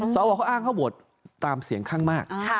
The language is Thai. สวเขาอ้างเขาโหวตตามเสียงข้างมาก